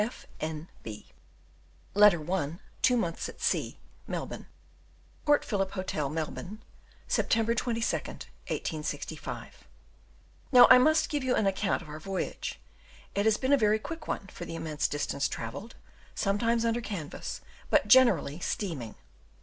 F. N. B. Letter I: Two months at sea Melbourne. Port Phillip Hotel, Melbourne. September 22d, 1865. .... Now I must give you an account of our voyage: it has been a very quick one for the immense distance traversed, sometimes under canvas, but generally steaming.